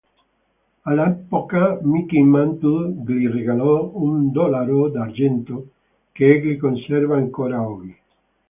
All'epoca Mickey Mantle gli regalò un dollaro d'argento, che egli conserva ancora oggi.